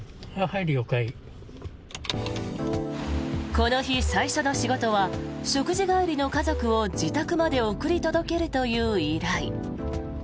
この日最初の仕事は食事帰りの家族を自宅まで送り届けるという依頼。